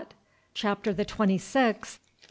CHAPTER THE TWENTY SIXTH.